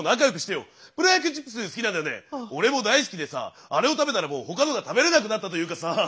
俺も大好きでさあれを食べたらもう他のが食べれなくなったというかさ。